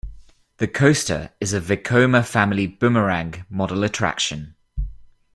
The coaster is a Vekoma family boomerang model attraction.